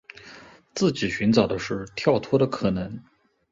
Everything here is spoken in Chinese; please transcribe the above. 自己寻找的是跳脱的可能